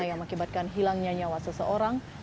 yang mengakibatkan hilangnya nyawa seseorang